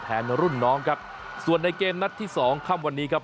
รุ่นน้องครับส่วนในเกมนัดที่สองค่ำวันนี้ครับ